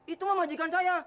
itu memang majikan saya